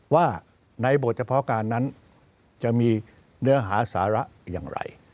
ว่าในบทเฉพาะการนั้นจะมีเนื้อหาสาระอย่างไร